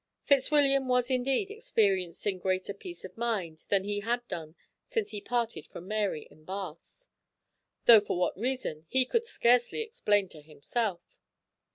Fitzwilliam was indeed experiencing greater peace of mind than he had done since he parted from Mary in Bath, though for what reason he could scarcely explain to himself.